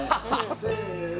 せの。